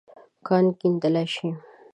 کان کیندل شې.